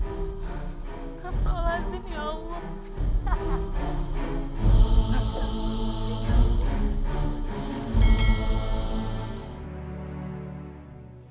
astagfirullahaladzim ya allah